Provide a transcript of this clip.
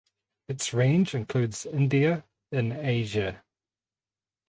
Its range includes India in Asia.